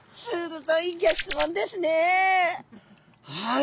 はい。